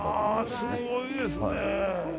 すごいですね。